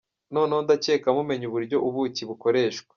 Noneho ndacyeka mumenye uburyo ubuki bukoreshwa.